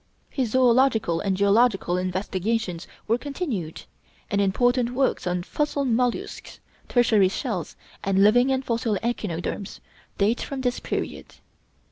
His zoölogical and geological investigations were continued, and important works on 'Fossil Mollusks,' 'Tertiary Shells,' and 'Living and Fossil Echinoderms' date from this period.